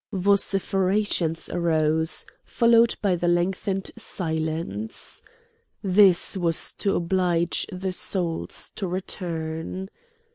Vociferations arose, followed by the lengthened silence. This was to oblige the souls to return.